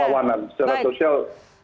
perlawanan secara sosial